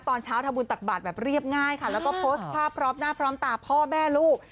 ตอนเช้าทำบุญตักบาทแบบเรียบง่ายค่ะแล้วก็โพสต์ภาพพร้อมหน้าพร้อมตาพ่อแม่ลูก